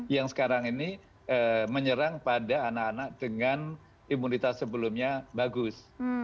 yang sekarang ini menyerang pada anak anak dengan imunitas sebelumnya bagus